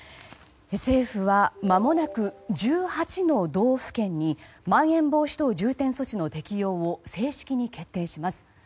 政府は、まもなく１８の道府県にまん延防止等重点措置の適用を正式に決定します。